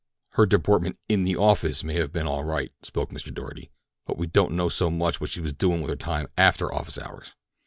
"Her deportment in the office may have been all right," spoke up Mr. Doarty, "but we don't know so much what she was doin' with her time after office hours."